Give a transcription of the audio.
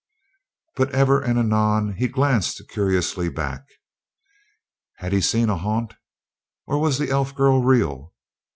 But ever and anon he glanced curiously back. Had he seen a haunt? Or was the elf girl real?